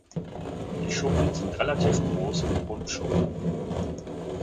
Die Schuppen sind relativ groß und Rundschuppen.